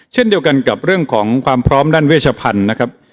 เช่นเดียวกันกับเรื่องของความพร้อมด้านเวชพันธุ์นะครับ